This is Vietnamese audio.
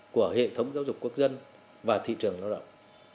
của hệ thống giáo dục quốc dân và thị trường lao động